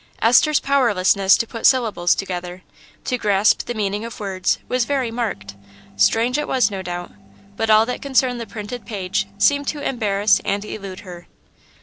Esther's powerlessness to put syllables together, to grasp the meaning of words, was very marked. Strange it was, no doubt, but all that concerned the printed page seemed to embarrass and elude her.